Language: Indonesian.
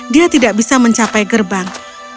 dia tidak bisa mencapai gerbang